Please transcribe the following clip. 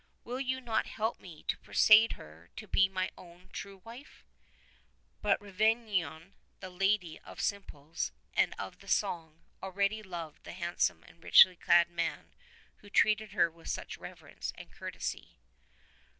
Will you not help me to persuade her to be my own true wife." But Rivanon, the lady of the simples and of the song, already loved the handsome and richly clad man who treated her with such reverence and courtesy.